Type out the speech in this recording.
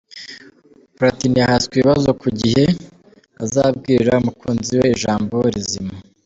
Platini yahaswe ibibazo ku gihe azabwirira aumukunzi we ijambo rizima.